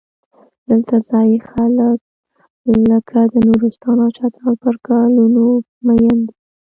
دلته ځايي خلک لکه د نورستان او چترال پر ګلونو مین دي.